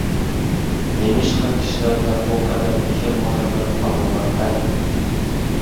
نېمىشقا كىشىلەردە بۇ قەدەر مېھىر -مۇھەببەت قالمىغان ھە؟!